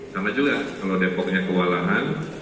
sama juga kalau depoknya kewalahan